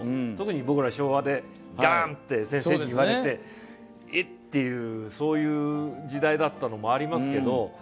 特に僕ら昭和でガンって先生に言われてっていうそういう時代だったのもありますけど。